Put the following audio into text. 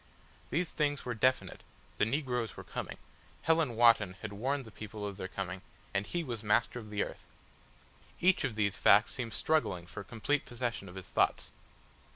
These things were definite, the negroes were coming, Helen Wotton had warned the people of their coming, and he was Master of the Earth. Each of these facts seemed struggling for complete possession of his thoughts.